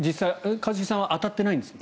一茂さんは当たってないんですよね？